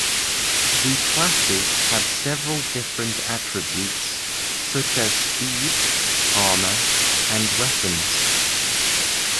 The classes have several different attributes, such as speed, armor and weapons.